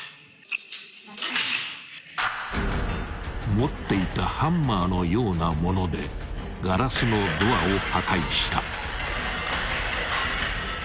［持っていたハンマーのようなものでガラスのドアを破壊した］